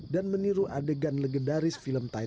dan meniru adegan legendaris film titanic